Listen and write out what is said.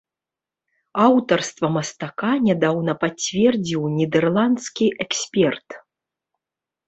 Аўтарства мастака нядаўна пацвердзіў нідэрландскі эксперт.